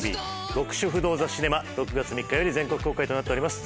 『極主夫道ザ・シネマ』６月３日より全国公開となっております